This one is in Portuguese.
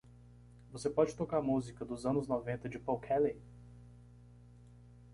Você pode tocar música dos anos noventa de Paul Kelly?